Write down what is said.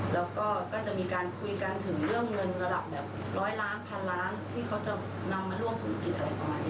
แล้วก็จะมีการคุยกันถึงเรื่องเงินระดับแบบร้อยล้านพันล้านที่เขาจะนำมาร่วมธุรกิจอะไรประมาณนี้